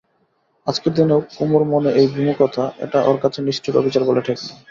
আজকের দিনেও কুমুর মনে এই বিমুখতা, এটা ওর কাছে নিষ্ঠুর অবিচার বলে ঠেকল।